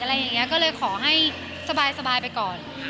อะไรอย่างนี้ก็เลยขอให้สบายไปก่อน